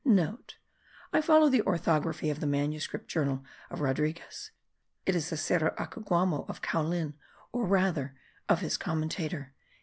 (* I follow the orthography of the manuscript journal of Rodriguez; it is the Cerro Acuquamo of Caulin, or rather of his commentator.